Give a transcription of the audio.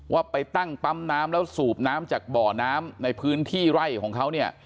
ว่าไปตั้งปั๊มน้ำแล้วสูบน้ำจากบ่อน้ำในพื้นที่ไร่ของเขาเนี่ย